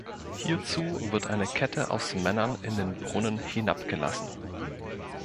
Hierzu wird eine Kette aus Männern in den Brunnen hinabgelassen.